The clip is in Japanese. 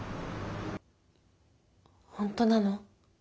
本当なの？